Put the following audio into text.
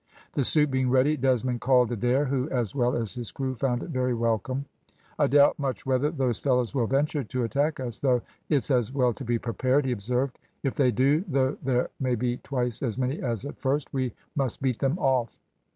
The soup being ready, Desmond called Adair, who, as well as his crew, found it very welcome. "I doubt much whether those fellows will venture to attack us, though it's as well to be prepared," he observed. "If they do, though there may be twice as many as at first, we must beat them off."